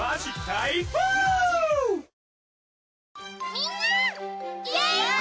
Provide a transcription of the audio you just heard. みんな！